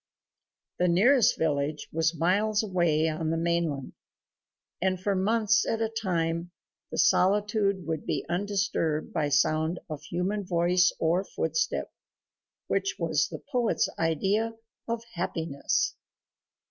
The nearest village was miles away on the mainland, and for months at a time the solitude would be undisturbed by sound of human voice or footstep which was the poet's idea of happiness.